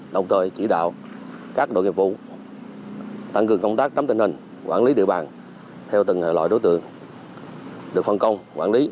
đồng thời chỉ đạo các đội nghiệp vụ tăng cường công tác nắm tình hình quản lý địa bàn theo từng hệ loại đối tượng được phân công quản lý